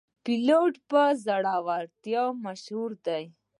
پیلوټ په زړورتیا مشهور دی.